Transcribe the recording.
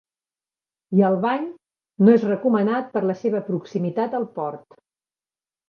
I el bany no és recomanat per la seva proximitat al port.